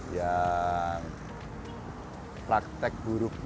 yang praktek buruknya